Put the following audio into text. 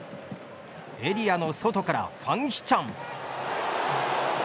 エリアの外からファン・ヒチャン。